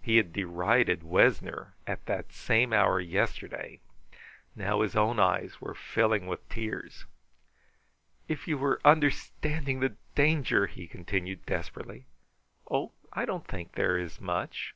He had derided Wessner at that same hour yesterday. Now his own eyes were filling with tears. "If you were understanding the danger!" he continued desperately. "Oh, I don't think there is much!"